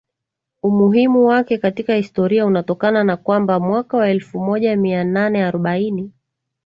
Umuhimu wake katika historia unatokana na kwamba mwaka wa elfu moja mia nane arobaini